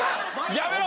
やめろ！